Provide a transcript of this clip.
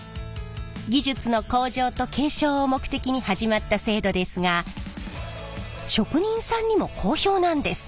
技術の向上と継承を目的に始まった制度ですが職人さんにも好評なんです。